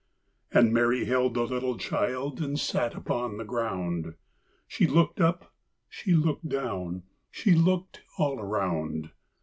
And Mary held the little child And sat upon the ground; She looked up, she looked down, She looked all around.